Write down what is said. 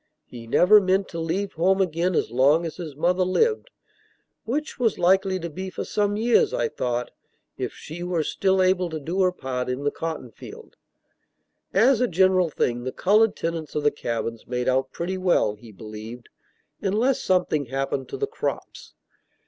He never meant to leave home again as long as his mother lived; which was likely to be for some years, I thought, if she were still able to do her part in the cotton field. As a general thing, the colored tenants of the cabins made out pretty well, he believed, unless something happened to the crops.